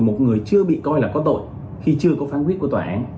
một người chưa bị coi là có tội khi chưa có phán quyết của tòa án